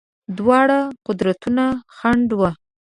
دواړه قدرتونه خنډ وه.